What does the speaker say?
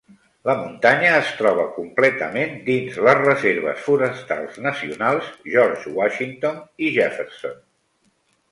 La muntanya es troba completament dins les reserves forestals nacionals George Washington i Jefferson.